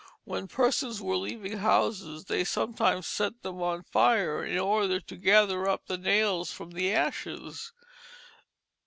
When persons were leaving houses, they sometimes set them on fire in order to gather up the nails from the ashes.